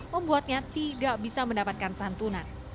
membuatnya tidak bisa mendapatkan santunan